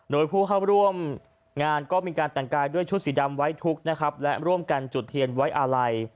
โดยผู้เข้าร่วมงานก็มีการแต่งกายด้วยชุดสีดำไว้ทุกข์นะครับและร่วมกันจุดเทียนไว้อาลัย